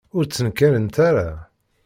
Ur d-ttnekkarent ara.